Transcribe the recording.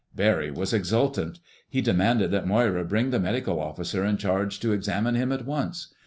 Barry was exultant. He demanded that Moira bring the medical officer in charge to examine him at once.